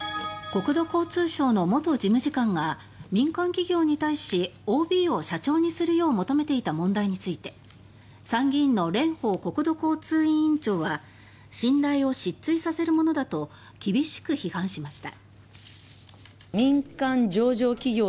国土交通省の元事務次官が民間企業に対しＯＢを社長にするよう求めていた問題について参議院の蓮舫国土交通委員長は「信頼を失墜させるものだ」と厳しく批判しました。